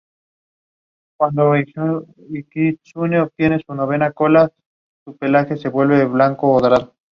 El circuito construido puede usarse de forma bidireccional.